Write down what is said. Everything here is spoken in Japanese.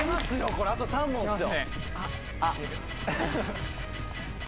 これあと３問っすよ。